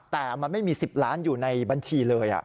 แต่มันไม่มี๑๐ล้านอยู่ในบัญชีเลย